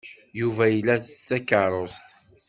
Yuba ila takeṛṛust.